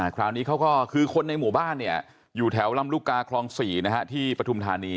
คราวนี้เขาก็คือคนในหมู่บ้านอยู่แถวลำลูกกาคลอง๔ที่ปฐุมธานี